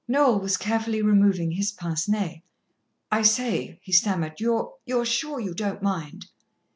Noel was carefully removing his pince nez. "I say," he stammered, "you're you're sure you don't mind?"